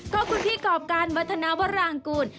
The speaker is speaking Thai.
ก็คุณพี่กรอบการวัฒนาวรางกูล